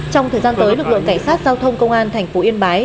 trong thời gian tới lực lượng cảnh sát giao thông công an thành phố yên bái